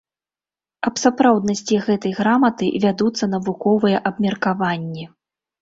Аб сапраўднасці гэтай граматы вядуцца навуковыя абмеркаванні.